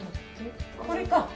「これか」